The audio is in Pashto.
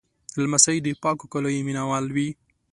لمسی د پاکو کالیو مینهوال وي.